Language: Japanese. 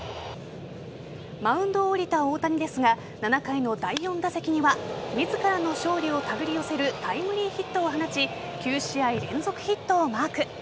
マウンドを降りた大谷ですが７回の第４打席には自らの勝利をたぐり寄せるタイムリーヒットを放ち９試合連続ヒットをマーク。